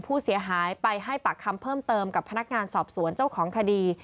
ผู้เสียหายไปให้ปากคำเพิ่มเติมกับพนักงานสอบสวนเจ้าของคดี